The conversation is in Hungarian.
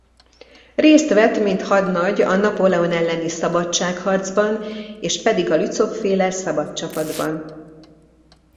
Részt vett mint hadnagy a Napóleon elleni szabadságharcban és pedig a Lützow-féle szabadcsapatban.